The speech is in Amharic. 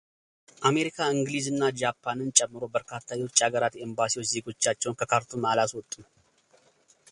አሜሪካ እንግሊዝ እና ጃፓንን ጨምሮ በርካታ የውጭ አገራት ኤምባሲዎች ዜጎቻቸውን ከካርቱም አላስወጡም።